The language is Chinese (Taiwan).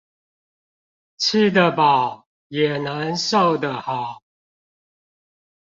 吃得飽，也能瘦得好！